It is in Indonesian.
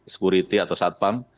security atau satpam